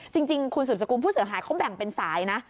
จริงคุณสืบสกุลผู้เสียหายเขาแบ่งเป็นสายนะ